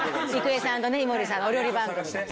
郁恵さんとね井森さんのお料理番組が。